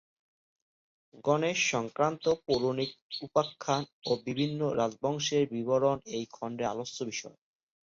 গণেশ-সংক্রান্ত পৌরাণিক উপাখ্যান ও বিভিন্ন রাজবংশের বিবরণ এই খণ্ডের আলোচ্য বিষয়।